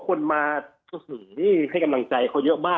คนมาให้กำลังใจเขาเยอะมาก